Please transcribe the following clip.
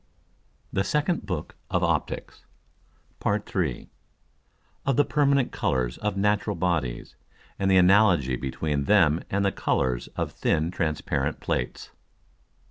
THE SECOND BOOK OF OPTICKS PART III. _Of the permanent Colours of natural Bodies, and the Analogy between them and the Colours of thin transparent Plates.